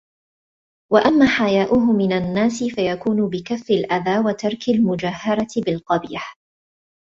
وَأَمَّا حَيَاؤُهُ مِنْ النَّاسِ فَيَكُونُ بِكَفِّ الْأَذَى وَتَرْكِ الْمُجَاهَرَةِ بِالْقَبِيحِ